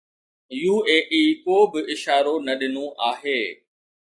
UAE ڪوبه اشارو نه ڏنو آهي.